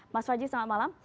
mas fadjid selamat malam